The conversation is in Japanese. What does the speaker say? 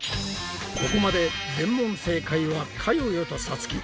ここまで全問正解はかよよとさつき。